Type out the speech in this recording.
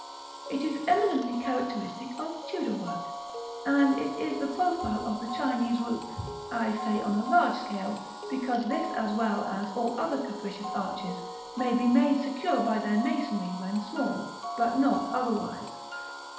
It is eminently characteristic of Tudor work, and it is the profile of the Chinese roof (I say on a large scale, because this as well as all other capricious arches, may be made secure by their masonry when small, but not otherwise).